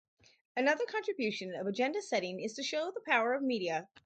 Another contribution of agenda-setting is to show the power of media.